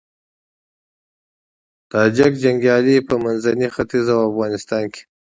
تاجیک جنګيالي په منځني ختيځ او افغانستان کې